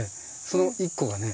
その一個がね